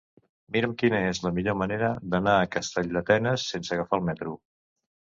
Mira'm quina és la millor manera d'anar a Calldetenes sense agafar el metro.